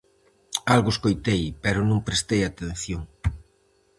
-Algo escoitei, pero non prestei atención.